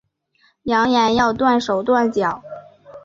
扬言要断手断脚